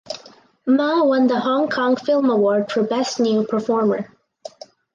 Ma won the Hong Kong Film Award for Best New Performer.